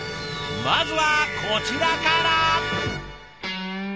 まずはこちらから。